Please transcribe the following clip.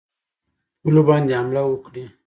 پولو باندي حمله وکړي.